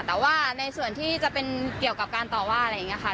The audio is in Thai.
แต่ว่าในส่วนที่จะเป็นเกี่ยวกับการต่อว่าอะไรอย่างนี้ค่ะ